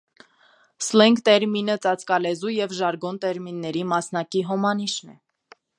«Սլենգ» տերմինը ծածկալեզու և ժարգոն տերմինների մասնակի հոմանիշն է։